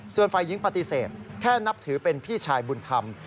ส่วนฝ่ายหญิงปฏิเสธแค่นับถือเป็นพี่ชายบุญธรรม